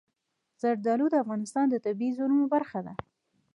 زردالو د افغانستان د طبیعي زیرمو برخه ده.